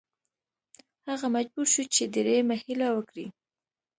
هغه مجبور شو چې دریمه هیله وکړي.